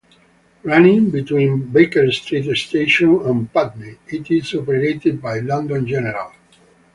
Running between Baker Street station and Putney, it is operated by London General.